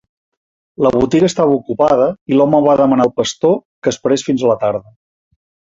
La botiga estava ocupada i l'home va demanar al pastor que esperés fins a la tarda.